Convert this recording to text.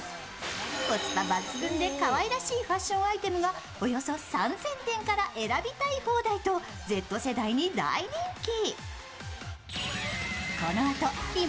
コスパ抜群でかわいらしいファッションアイテムがおよそ３０００点から選びたい放題と、Ｚ世代に大人気。